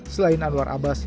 selain anwar abbas